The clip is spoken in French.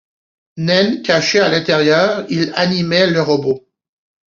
Nain caché à l'intérieur, il animait le robot.